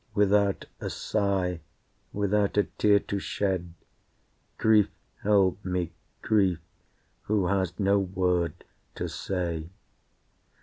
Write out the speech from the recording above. Without a sigh, without a tear to shed, Grief held me, Grief who has no word to say.